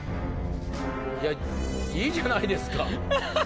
いいじゃないですか。